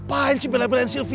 pain wusantin organizasi